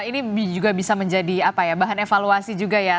ini juga bisa menjadi bahan evaluasi juga ya